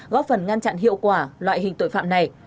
góp phần ngăn chặn hiệu quả loại hình tội phạm này